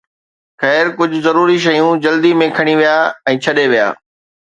خير، ڪجهه ضروري شيون جلدي ۾ کڻي ويا ۽ ڇڏي ويا.